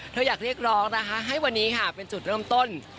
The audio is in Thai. อยากเรียกร้องนะคะให้วันนี้ค่ะเป็นจุดเริ่มต้น